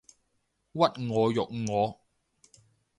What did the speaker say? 屈我辱我